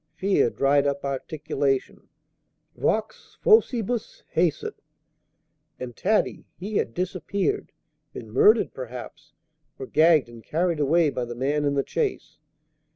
Fear dried up articulation. Vox faucibus hæsit. And Taddy? He had disappeared, been murdered, perhaps, or gagged and carried away by the man in the chaise.